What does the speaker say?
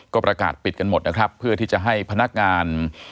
ก็ประกาศปิดกันหมดนะครับเพื่อที่จะให้พนักงาน